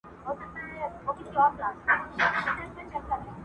په قسمت مي وصال نه وو رسېدلی!